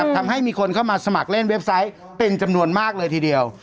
ทำให้มีคนเข้ามาสมัครเล่นเว็บไซต์เป็นจำนวนมากเลยทีเดียว